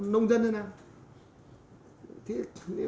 nông dân như thế nào